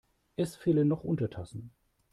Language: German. Es fehlen noch Untertassen.